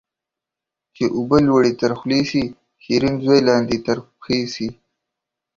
چي اوبه لوړي تر خولې سي ، شيرين زوى لاندي تر پښي سي